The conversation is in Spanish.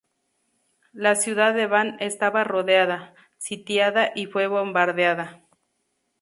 La ciudad de Van estaba rodeada, sitiada y fue bombardeada.